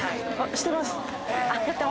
してます。